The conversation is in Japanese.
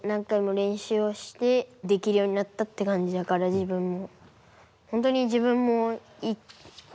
自分も。